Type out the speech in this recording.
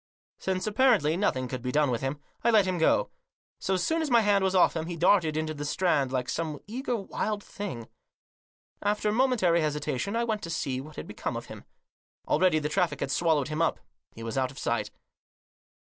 Since, apparently, nothing could be done with him, I let him go. So soon as my hand was off him he darted into the Strand like some eager wild thing. After momentary hesitation I went to see what had become of him. Already the traffic had swallowed him up. He was out of sight.